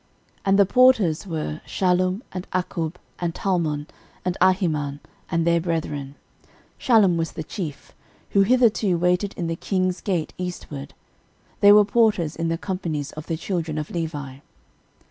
13:009:017 And the porters were, Shallum, and Akkub, and Talmon, and Ahiman, and their brethren: Shallum was the chief; 13:009:018 Who hitherto waited in the king's gate eastward: they were porters in the companies of the children of Levi.